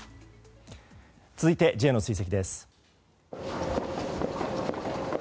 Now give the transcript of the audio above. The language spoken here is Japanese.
続いて、Ｊの追跡です。